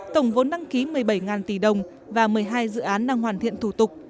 tổng vốn đăng ký một mươi bảy tỷ đồng và một mươi hai dự án đang hoàn thiện thủ tục